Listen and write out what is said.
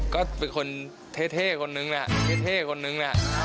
ก็เป็นคนเท่คนนึงเราก็เป็นเท่คนนึง